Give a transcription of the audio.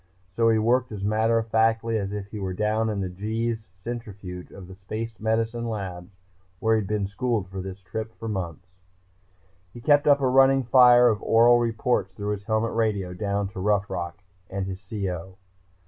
So he worked as matter of factly as if he were down in the Gs Centrifuge of the Space Medicine Labs where he had been schooled for this trip for months. He kept up a running fire of oral reports through his helmet radio, down to Rough Rock and his CO.